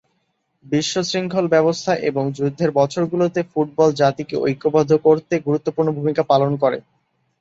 বিশৃঙ্খল অবস্থা এবং যুদ্ধের বছরগুলোতে ফুটবল জাতিকে ঐক্যবদ্ধ করতে গুরুত্বপূর্ণ ভূমিকা পালন করে।